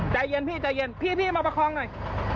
ใจเย็นพี่ใจเย็นพี่มาประคองหน่อย